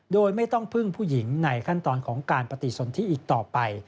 โดยไม่ต้องพึ่งผู้หญิงในขั้นตอนของการปฏิสนที่อีกต่อไป